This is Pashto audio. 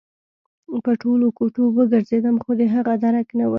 په ټولو کوټو وګرځېدم خو د هغه درک نه و